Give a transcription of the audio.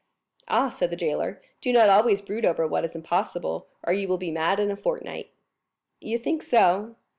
"Ah," said the jailer, "do not always brood over what is impossible, or you will be mad in a fortnight." "You think so?"